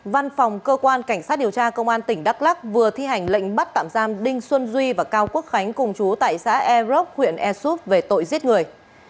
văn phòng cơ quan cảnh sát điều tra công an tỉnh đắk lắc vừa thi hành lệnh bắt tạm giam đinh xuân duy và cao quốc khánh cùng chú tại xã eroc huyện air soup về tội giết người